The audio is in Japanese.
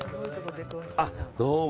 どうも。